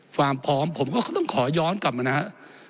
ความพร้อมผมก็ต้องขอย้อนกลับมานะครับ